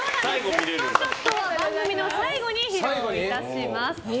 ベストショットは番組の最後に披露いたします。